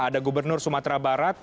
ada gubernur sumatera barat